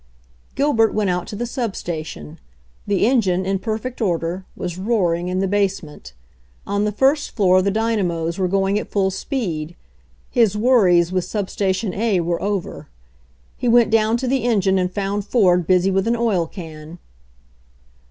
Gilbert went out to the sub station. The en gine, in perfect order, was roaring in the base ment. On the first floor the dynamos were going at full speed. His worries with sub station A were over. He went down to the engine and found Ford busy with an oil can.